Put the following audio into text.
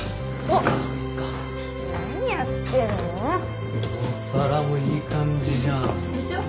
お皿もいい感じじゃん。でしょ？